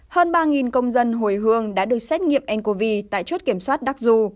hơn ba công dân hồi hương đã được xét nghiệm ncov tại chốt kiểm soát đắc du